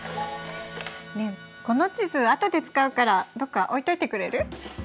ねえこの地図後で使うからどっか置いといてくれる？